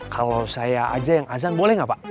kalo saya aja yang ajan boleh gak pak